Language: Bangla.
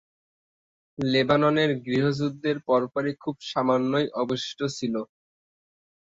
লেবাননের গৃহযুদ্ধের পরপরই খুব সামান্যই অবশিষ্ট ছিল।